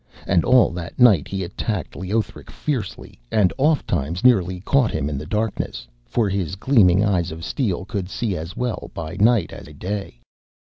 And all that night he attacked Leothric fiercely, and oft times nearly caught him in the darkness; for his gleaming eyes of steel could see as well by night as by day.